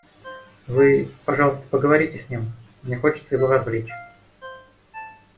Вы, пожалуйста, поговорите с ним, мне хочется его развлечь.